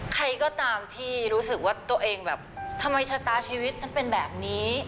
ใครก็ตามที่รู้สึกว่าตัวเองแบบทำไมชะตาชีวิตฉันเป็นแบบนี้